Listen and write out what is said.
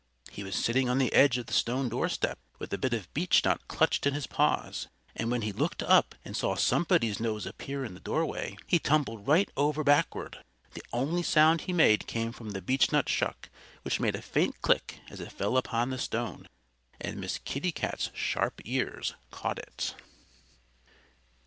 He was sitting on the edge of the stone doorstep with a bit of beechnut clutched in his paws. And when he looked up and saw somebody's nose appear in the doorway he tumbled right over backward. The only sound he made came from the beechnut shuck, which made a faint click as it fell upon the stone. And Miss Kitty Cat's sharp ears caught it.